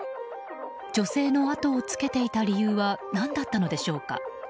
女性のあとをつけていた理由は何だったのでしょうか。